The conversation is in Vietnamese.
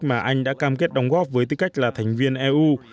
mà anh đã cam kết đóng góp với tư cách là thành viên eu